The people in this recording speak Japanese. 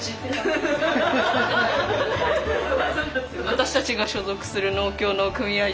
私たちが所属する農協の組合